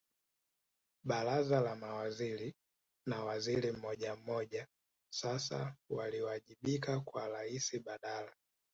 Baraza la Mawaziri na waziri mmojammoja sasa waliwajibika kwa Raisi badala